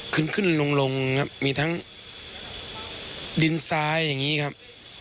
ขึ้นขึ้นลงครับมีทั้งดินซ้ายอย่างนี้ครับ